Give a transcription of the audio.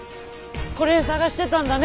これ捜してたんだね。